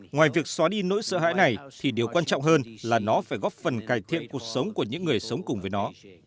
ngoài việc xóa đi nỗi sợ hãi này thì điều quan trọng hơn là nó phải góp phần cải thiện cuộc sống của những người sống cùng với nó